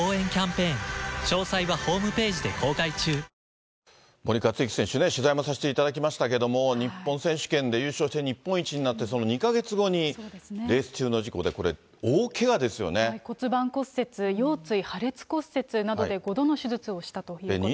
このあと、森且行選手ね、取材もさせていただきましたけれども、日本選手権で優勝して、日本一になって、その２か月後にレース中の事故で、骨盤骨折、腰椎破裂骨折などで、５度の手術をしたということです。